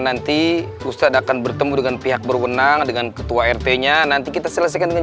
nanti ustadz akan bertemu dengan pihak berwenang dengan ketua rt nya nanti kita selesaikan dengan